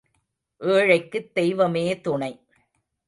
ஏழைக்குத் தெய்வமே துணை.